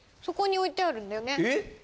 そこに置いてあるんだよね。